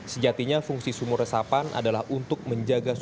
sejatinya fungsi sumur resapan adalah untuk menjaga sungai